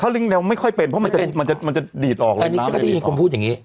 ถ้าวิ่งเร็วไม่ค่อยเป็นเพราะมันจะมันจะมันจะดีดออกอันนี้ก็ได้ยินคนพูดอย่างงี้